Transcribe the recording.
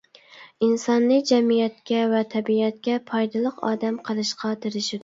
ئىنساننى جەمئىيەتكە ۋە تەبىئەتكە پايدىلىق ئادەم قىلىشقا تىرىشىدۇ.